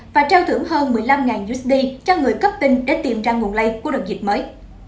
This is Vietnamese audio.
và trao thưởng hơn một mươi năm usd cho người cấp tinh để tìm ra nguồn lây của đợt dịch mới